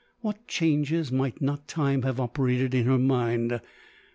What changes might not time have operated in her mind